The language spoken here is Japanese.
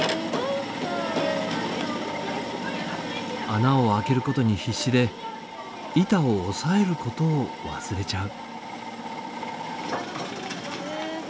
穴を開けることに必死で板を押さえることを忘れちゃう。